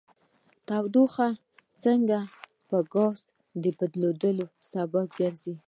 تودوخه څنګه په ګاز د بدلیدو باعث ګرځي؟